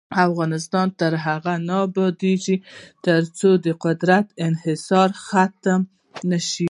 افغانستان تر هغو نه ابادیږي، ترڅو د قدرت انحصار ختم نشي.